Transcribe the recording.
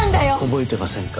覚えてませんか？